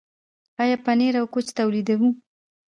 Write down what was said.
آیا پنیر او کوچ تولیدوو؟